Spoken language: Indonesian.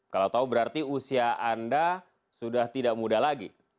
kalau tahu berarti usia anda sudah tidak muda lagi